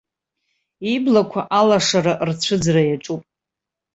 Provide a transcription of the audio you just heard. Иблақәа алашара рцәыӡра иаҿуп.